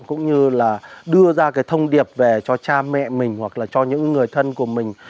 cũng như đưa ra thông điệp về cho cha mẹ mình hoặc cho những người thân của mình